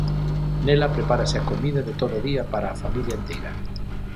Nela prepárase a comida de todo o día para a familia enteira.